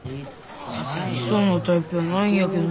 風邪ひきそうなタイプやないんやけどな。